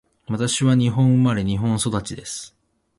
私は日本生まれ、日本育ちです。